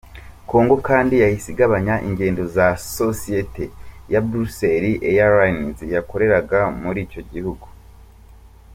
Congo kandi yahise igabanya ingendo Sosiyete ya Brussels Airlines yakoreraga muri icyo gihugu.